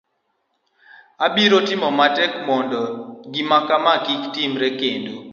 abiro timo matek mondo gimakama kik timore kendo